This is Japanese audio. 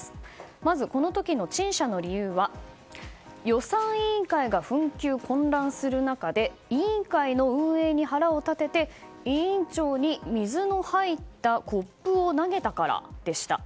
まず、この時の陳謝の理由は予算委員会が紛糾・混乱する中で委員会の運営に腹を立てて委員長に水の入ったコップを投げたからでした。